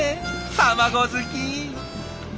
卵好き！